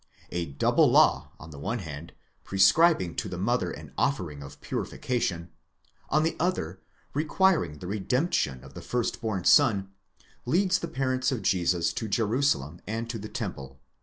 A double law, on the one hand, prescribing to the mother an offering of purification, on the other, requiring the redemption of the first born son, leads the parents of Jesus to Jerusalem and to the temple.